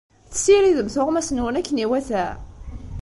Tessiridem tuɣmas-nwen akken iwata?